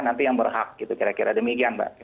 nanti yang berhak gitu kira kira demikian mbak